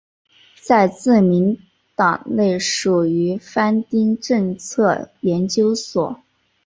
在自民党内属于番町政策研究所。